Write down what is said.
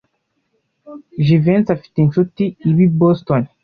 Jivency afite inshuti iba i Boston.